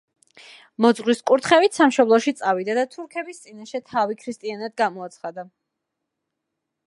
მოძღვრის კურთხევით, სამშობლოში წავიდა და თურქების წინაშე თავი ქრისტიანად გამოაცხადა.